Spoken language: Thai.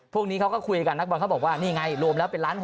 พวกนี้เขาก็คุยกันนักบอลเขาบอกว่านี่ไงรวมแล้วเป็นล้าน